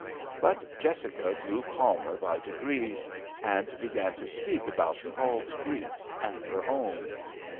But Jessica grew calmer by degrees, and began to speak about Paul's grief and her own.